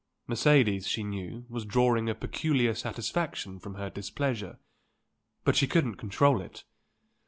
Mercedes, she knew, was drawing a peculiar satisfaction from her displeasure; but she couldn't control it.